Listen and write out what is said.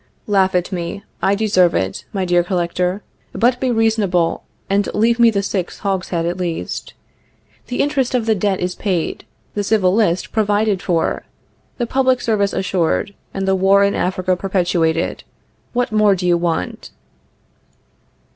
Laugh at me; I deserve it, my dear Collector. But be reasonable, and leave me the sixth hogshead at least. The interest of the debt is paid, the civil list provided for, the public service assured, and the war in Africa perpetuated. What more do you want?